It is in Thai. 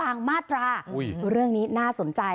มาตราเรื่องนี้น่าสนใจ